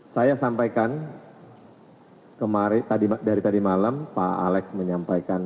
saya sampaikan tadi dari tadi malam pak alex menyampaikan